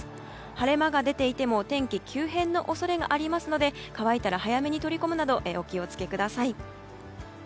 晴れ間が出ていてもお天気急変の恐れがありますので乾いたら早めに取り込むなどお気を付けください。